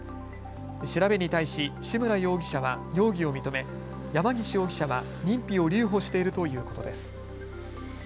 調べに対し志村容疑者は容疑を認め山岸容疑者は認否を留保しているということです。